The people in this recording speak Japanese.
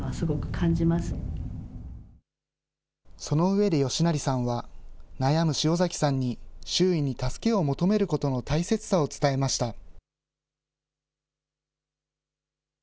その上で吉成さんは、悩む塩崎さんに、周囲に助けを求めることの大切さを伝えました。